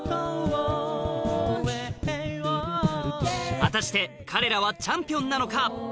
果たして彼らはチャンピオンなのか？